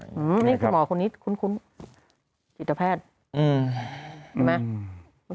อื้อนี่คือหมอคนนี้คุ้นจิตแพทย์